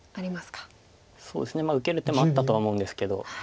そうですね受ける手もあったとは思うんですけど。